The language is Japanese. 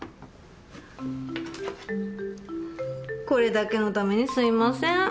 これだけのためにすみません。